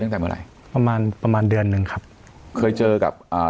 ตั้งแต่เมื่อไหร่ประมาณประมาณเดือนหนึ่งครับเคยเจอกับอ่า